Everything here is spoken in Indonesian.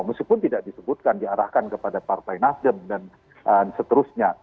meskipun tidak disebutkan diarahkan kepada partai nasdem dan seterusnya